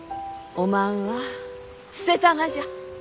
おまんは捨てたがじゃ。